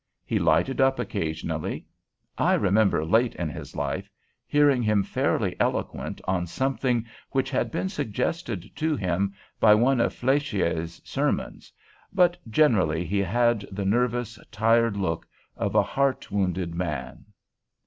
He lighted up occasionally, I remember late in his life hearing him fairly eloquent on something which had been suggested to him by one of Fléchier's sermons, but generally he had the nervous, tired look of a heart wounded man.